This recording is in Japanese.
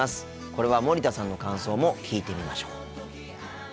これは森田さんの感想も聞いてみましょう。